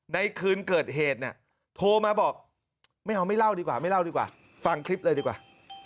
ในคืนเกิดเหตุเนี่ยโทรมาบอกไม่เอาไม่เล่าดีกว่าไม่เล่าดีกว่าฟังคลิปเลยดีกว่า